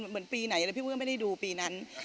เหมือนปีไหนแล้วพี่เบื้องไม่ได้ดูปีนั้น